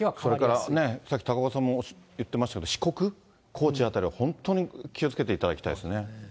それからね、さっき高岡さんも言ってましたけど、四国・高知辺りは本当に気をつけていただきたいですね。